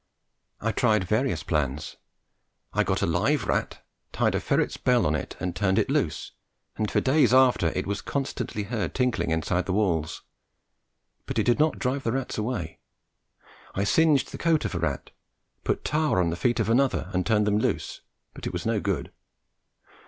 I tried various plans. I got a live rat, tied a ferret's bell on it, and turned it loose, and for days after it was constantly heard tinkling inside the walls; but it did not drive the rats away. I singed the coat of a rat, put tar on the feet of another and turned them loose; but it was no good.